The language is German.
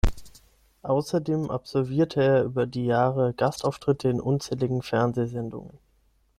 Außerdem absolvierte er über die Jahre Gastauftritte in unzähligen Fernsehsendungen.